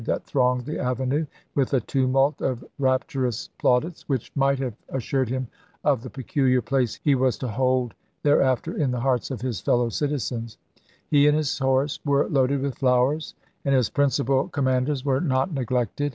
xvu that thronged the avenue with a tumult of raptur Mavises, ous plaudits which might have assured him of the peculiar place he was to hold thereafter in the hearts of his fellow citizens. He and his horse were loaded with flowers; and his principal com manders were not neglected.